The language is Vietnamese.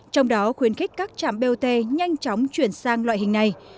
trong đó khuyến khích các trạm bot nhanh chóng chuyển sang loại hình này